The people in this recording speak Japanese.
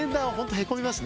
へこみますよ。